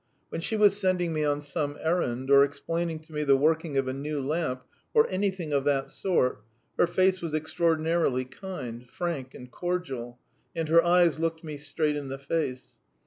When she was sending me on some errand or explaining to me the working of a new lamp or anything of that sort, her face was extraordinarily kind, frank, and cordial, and her eyes looked me straight in the face.